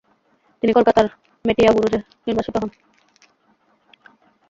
তিনি কলকাতার মেটিয়াবুরুজে নির্বাসিত হন।